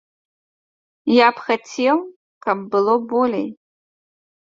Я б хацеў, каб было болей.